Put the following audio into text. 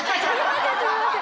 すみません！